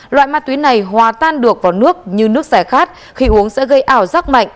loại ma túy này hòa tan được vào nước như nước xẻ khát khi uống sẽ gây ảo giác mạnh